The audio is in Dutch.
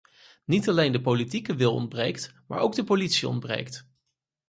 Niet alleen de politieke wil ontbreekt, maar ook de politie ontbreekt.